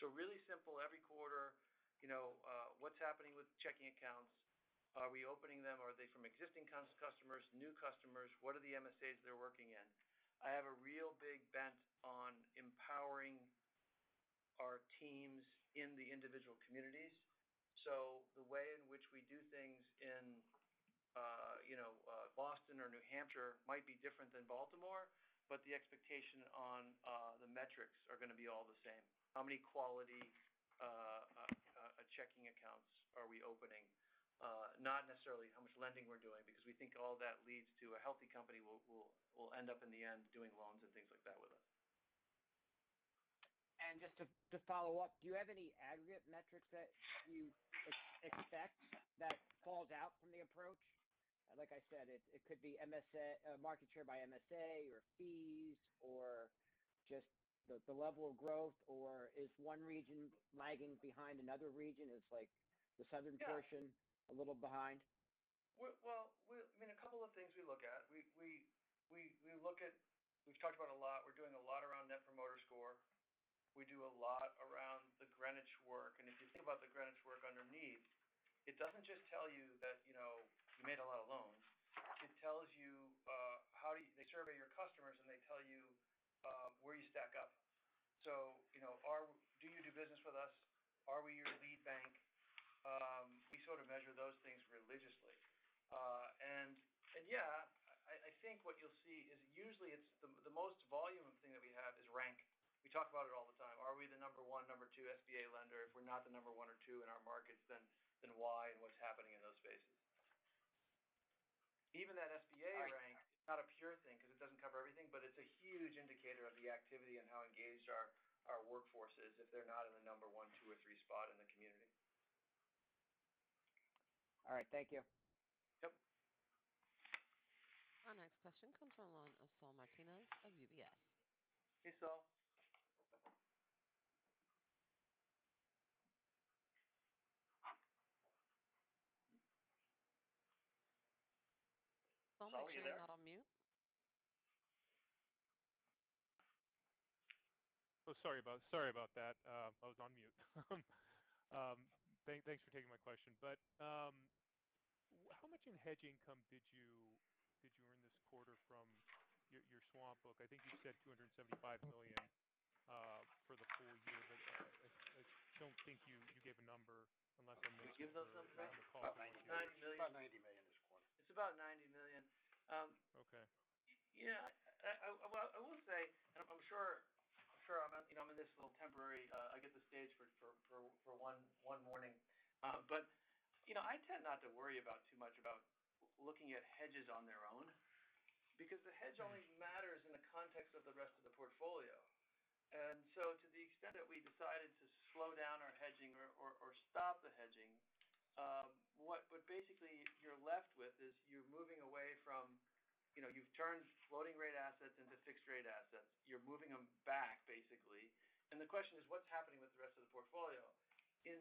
S3: Really simple every quarter. What's happening with checking accounts? Are we opening them? Are they from existing customers, new customers? What are the MSAs they're working in? I have a real big bent on empowering our teams in the individual communities. The way in which we do things in Boston or New Hampshire might be different than Baltimore, but the expectation on the metrics are going to be all the same. How many quality checking accounts are we opening? Not necessarily how much lending we're doing because we think all that leads to a healthy company will end up in the end doing loans and things like that with us.
S15: Just to follow up, do you have any aggregate metrics that you expect that falls out from the approach? Like I said, it could be market share by MSA or fees or just the level of growth or is one region lagging behind another region? Is the southern portion a little behind?
S3: A couple of things we look at. We've talked about a lot. We're doing a lot around Net Promoter Score. We do a lot around the Greenwich work. If you think about the Greenwich work underneath, it doesn't just tell you that you made a lot of loans. It tells you how they survey your customers and they tell you where you stack up. Do you do business with us? Are we your lead bank? We sort of measure those things religiously. Yeah, I think what you'll see is usually it's the most volume thing that we have is rank. We talk about it all the time. Are we the number one, number two SBA lender? If we're not the number one or two in our markets, then why and what's happening in those spaces? Even that SBA rank is not a pure thing because it doesn't cover everything, but it's a huge indicator of the activity and how engaged our workforce is if they're not in the number one, two, or three spot in the community.
S15: All right. Thank you.
S3: Yep.
S1: Our next question comes from the line of Saul Martinez of UBS.
S3: Hey, Saul. Saul, are you there?
S1: Saul, you're not on mute.
S16: Oh, sorry about that. I was on mute. Thanks for taking my question. How much in hedge income did you earn this quarter from your swap book? I think you said $275 million for the full year, I don't think you gave a number on that.
S3: Did we give those numbers?
S7: About $90 million. About $90 million this quarter.
S3: It's about $90 million.
S16: Okay.
S3: Yeah. I will say, I'm sure I'm in this little temporary I get the stage for one morning. I tend not to worry too much about looking at hedges on their own because the hedge only matters in the context of the rest of the portfolio. To the extent that we decided to slow down our hedging or stop the hedging, what basically you're left with is you're moving away from, you've turned floating rate assets into fixed rate assets. You're moving them back basically. The question is what's happening with the rest of the portfolio? In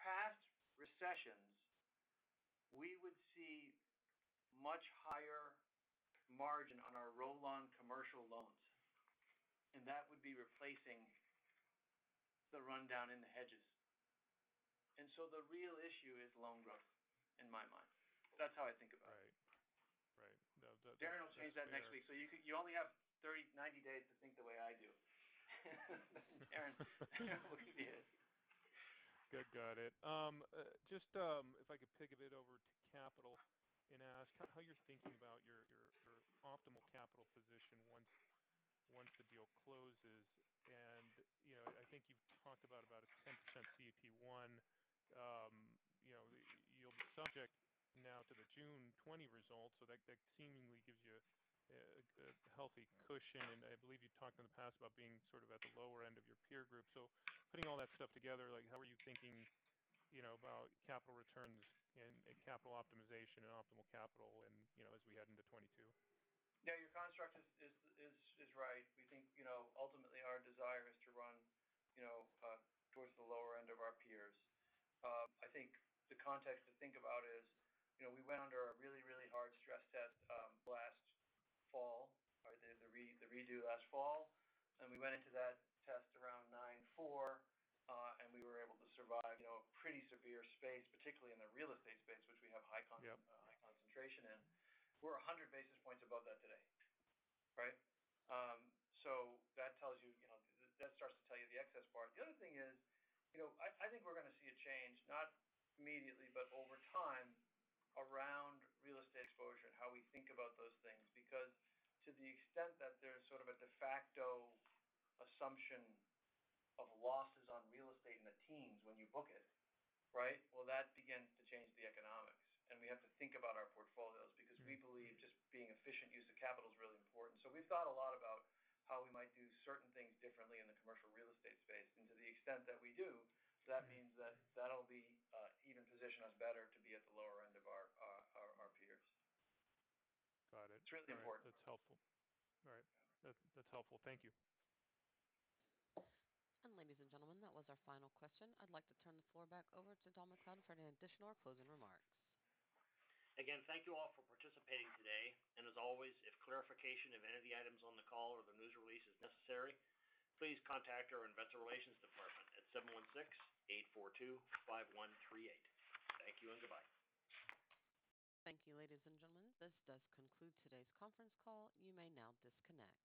S3: past recessions, we would see much higher margin on our roll-on commercial loans, and that would be replacing the rundown in the hedges. The real issue is loan growth in my mind. That's how I think about it.
S16: Right. That makes sense.
S3: Darren will change that next week. You only have 90 days to think the way I do. Darren, we'll see.
S16: Got it. Just if I could pivot over to capital and ask how you're thinking about your optimal capital position once the deal closes. I think you've talked about a 10% CET1. You'll be subject now to the June 20 results, so that seemingly gives you a healthy cushion. I believe you talked in the past about being sort of at the lower end of your peer group. Putting all that stuff together, how are you thinking about capital returns and capital optimization and optimal capital as we head into 2022.
S3: Yeah. Your construct is right. We think ultimately our desire is to run towards the lower end of our peers. I think the context to think about is we went under a really hard stress test last fall, or the redo last fall, and we went into that test around 9.4, and we were able to survive a pretty severe space, particularly in the real estate space, which we have high concentration in. We're 100 basis points above that today. Right? That starts to tell you the excess part. The other thing is I think we're going to see a change, not immediately, but over time around real estate exposure and how we think about those things. Because to the extent that there's sort of a de facto assumption of losses on real estate in the teens when you book it, right? That begins to change the economics, and we have to think about our portfolios because we believe just being efficient use of capital is really important. We've thought a lot about how we might do certain things differently in the commercial real estate space. To the extent that we do, that means that that'll even position us better to be at the lower end of our peers.
S16: Got it.
S3: It's really important.
S16: That's helpful. All right. That's helpful. Thank you.
S1: Ladies and gentlemen, that was our final question. I'd like to turn the floor back over to Donald MacLeod for any additional closing remarks.
S2: Again, thank you all for participating today. As always, if clarification of any of the items on the call or the news release is necessary, please contact our investor relations department at 716-842-5138. Thank you and goodbye.
S1: Thank you, ladies and gentlemen. This does conclude today's conference call. You may now disconnect.